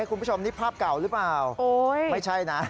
คุณผู้ชมนี่ภาพเก่าหรือเปล่าไม่ใช่นะ